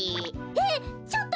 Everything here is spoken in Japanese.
えっ！？